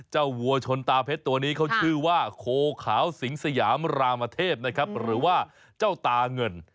วัวชนตาเพชรตัวนี้เขาชื่อว่าโคขาวสิงสยามรามเทพนะครับหรือว่าเจ้าตาเงิน